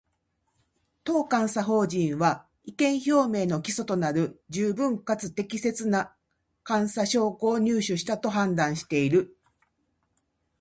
当監査法人は、意見表明の基礎となる十分かつ適切な監査証拠を入手したと判断している